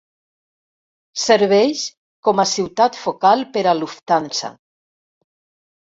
Serveix com a ciutat focal per a Lufthansa.